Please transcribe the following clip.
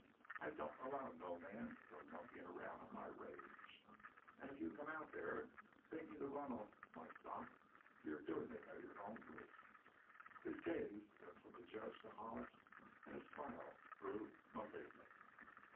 I don't allow no man to come monkeying around on my range and if you come out there, thinking to run off any of my stock, you're doing it at your own risk!" His gaze went from the Judge to Hollis and his smile grew malignant.